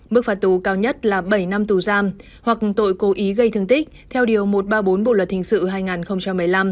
mức phạt tù cao nhất là bảy năm tù giam hoặc tội cố ý gây thương tích theo điều một trăm ba mươi bốn bộ luật hình sự hai nghìn một mươi năm